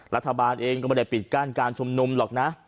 รัฐบาลเองก็ไม่ได้ปิดกั้นการชุมนุมหรอกนะ